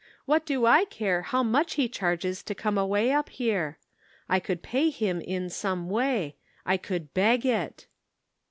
What do I care how much he charges to«come away up here. I could pay him in some way ; I could beg it."